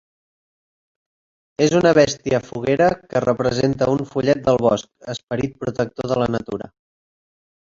És una bèstia foguera que representa un follet del bosc, esperit protector de la natura.